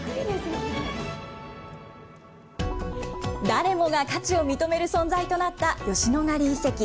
誰もが価値を認める存在となった吉野ヶ里遺跡。